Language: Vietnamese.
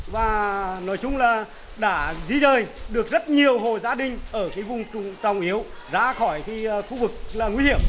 và nói chung là đã di rời được rất nhiều hộ gia đình ở vùng trọng yếu ra khỏi khu vực nguy hiểm